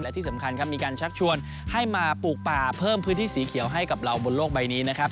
และที่สำคัญครับมีการชักชวนให้มาปลูกป่าเพิ่มพื้นที่สีเขียวให้กับเราบนโลกใบนี้นะครับ